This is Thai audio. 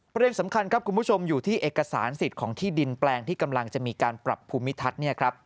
ประเด็นสำคัญครับคุณผู้ชมอยู่ที่เอกสารสิทธิ์ของที่ดินแปลงที่กำลังจะมีการปรับภูมิทัศน์